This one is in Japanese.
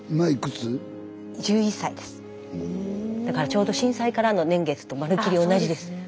だからちょうど震災からの年月とまるっきり同じです。